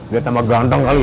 biar tambah ganteng kali ya